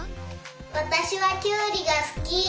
わたしはきゅうりがすき。